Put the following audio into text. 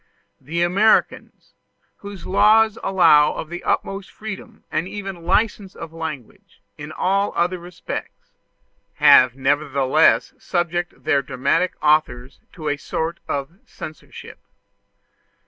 The Americans, whose laws allow of the utmost freedom and even license of language in all other respects, have nevertheless subjected their dramatic authors to a sort of censorship.